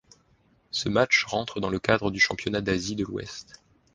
Ce match rentre dans le cadre du championnat d'Asie de l'Ouest.